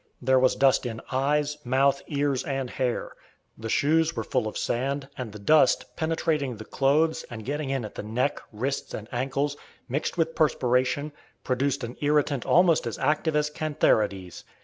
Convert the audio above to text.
There was dust in eyes, mouth, ears, and hair. The shoes were full of sand, and the dust, penetrating the clothes, and getting in at the neck, wrists, and ankles, mixed with perspiration, produced an irritant almost as active as cantharides.